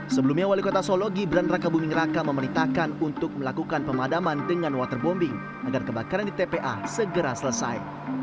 sebelumnya wali kota solo gibran raka buming raka memerintahkan untuk melakukan pemadaman dengan waterbombing agar kebakaran di tpa segera selesai